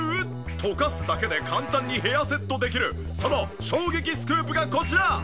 とかすだけで簡単にヘアセットできるその衝撃スクープがこちら。